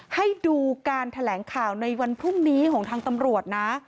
ให้ดูการแถลงข่าวในวันพรุ่งนี้ของทางตำรวจนะ